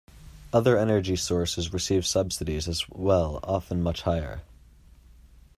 Other energy sources receive subsidies as well, often much higher.